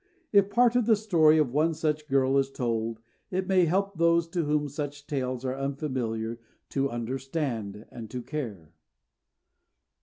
If part of the story of one such young girl is told, it may help those to whom such tales are unfamiliar to understand and to care.